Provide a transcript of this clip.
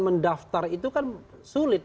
mendaftar itu kan sulit